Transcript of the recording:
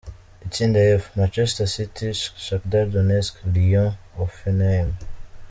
Itsinda F: Manchester City, Shakhtar Donetsk, Lyon, Hoffenheim.